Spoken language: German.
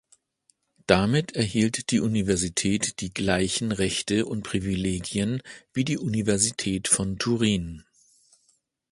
Damit erhielt die Universität die gleichen Rechte und Privilegien wie die Universität von Turin.